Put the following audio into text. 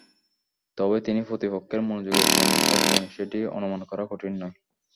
তবে তিনি প্রতিপক্ষের মনোযোগের কেন্দ্রে থাকবেন, সেটি অনুমান করা কঠিন নয়।